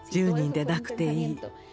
１０人でなくていい。